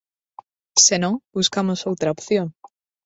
Se non, buscamos outra opción.